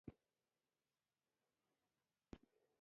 پر سترګو مو شیطان لعین عینکې در اېښي دي.